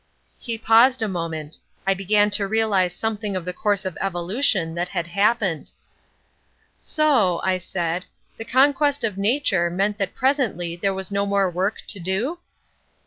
He paused a moment. I began to realise something of the course of evolution that had happened. "So," I said, "the conquest of nature meant that presently there was no more work to do?"